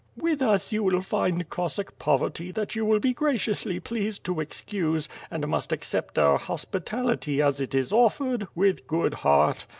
With us you will 'find Cossack poverty that you will be graciously pleased to excuse, and must accept our hospitality, as it is offered, with good heart.